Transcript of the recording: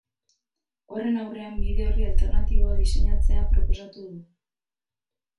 Horren aurrean, bide orri alternatiboa diseinatzea proposatu du.